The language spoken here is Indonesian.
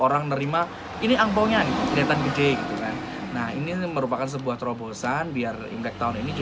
lampion ini menyebabkan penyakit